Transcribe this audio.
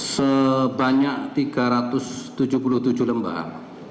sebanyak tiga ratus tujuh puluh tujuh lembar